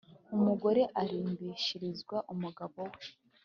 Umugore arimbishirizwa umugabo we